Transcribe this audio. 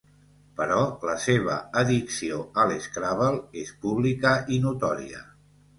Però la seva addicció a l'Scrabble és pública i notòria.